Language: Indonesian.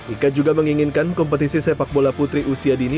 ika juga menginginkan kompetisi sepak bola putri usia dini